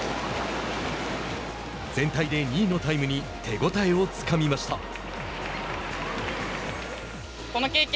全体で２位のタイムに手応えをつかみました。